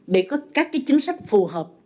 để có các chính sách phù hợp